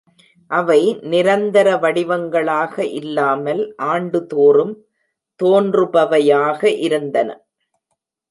அவை நிரந்தர வடிவங்களாக இல்லாமல் ஆண்டுதோறும் தோன்றுபவையாக இருந்தன.